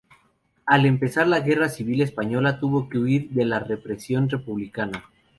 Al empezar la Guerra Civil Española tuvo que huir de la represión republicana.